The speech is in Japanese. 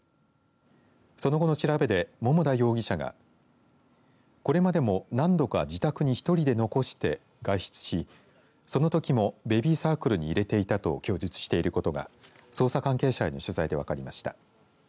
その後の調べで、桃田容疑者がこれまでも何度か自宅に１人で残して外出しそのときもベビーサークルに入れていたと供述していることが捜査関係者への取材で分かりました。